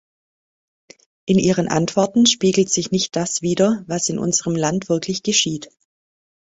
In Ihren Antworten spiegelt sich nicht das wider, was in unserem Land wirklich geschieht.